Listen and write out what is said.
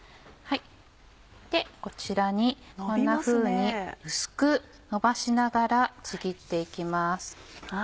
こちらにこんなふうに薄くのばしながらちぎって行きます。